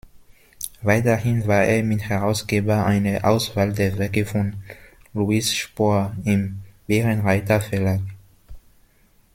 Weiterhin war er Mitherausgeber einer Auswahl der Werke von Louis Spohr im Bärenreiter-Verlag.